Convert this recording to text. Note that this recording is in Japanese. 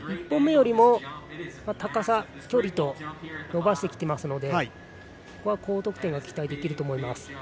１本目よりも高さ、距離と伸ばしてきていますのでここは高得点が期待できると思います。